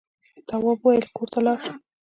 تواب وويل: کور ته لاړ شم.